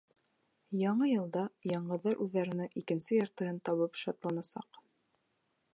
Яңы йылда яңғыҙҙар үҙҙәренең икенсе яртыһын табып шатланасаҡ.